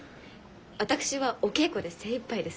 私はお稽古で精いっぱいですので。